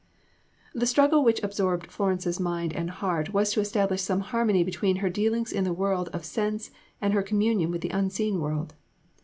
The struggle which absorbed Florence's mind and heart was to establish some harmony between her dealings in the world of sense and her communion with the unseen world.